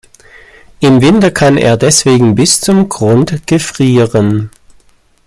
Im Winter kann er deswegen bis zum Grund gefrieren.